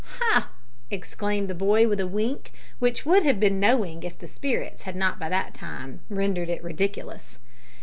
"Ha!" exclaimed the boy, with a wink, which would have been knowing if the spirits had not by that time rendered it ridiculous.